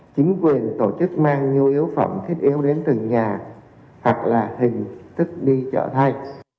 chính quyền tổ chức mang nhu yếu phẩm thiết yếu đến từng nhà hoặc là hình thức đi chợ thay